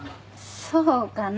そうかな？